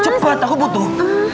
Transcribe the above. cepat aku butuh